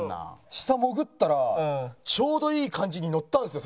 下潜ったらちょうどいい感じにのったんですよ